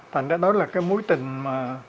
thành ra đó là cái mối tình mà